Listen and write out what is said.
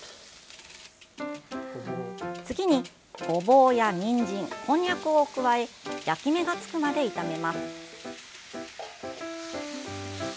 次に、ごぼう、にんじんこんにゃくを加え焼き目がつくまで炒めます。